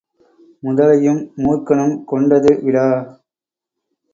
முதலையும் மூர்க்கனும் கொண்டது விடா